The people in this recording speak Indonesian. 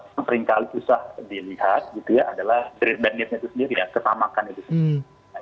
seringkali susah dilihat gitu ya adalah drip dan neednya itu sendiri ya kesamakan itu sendiri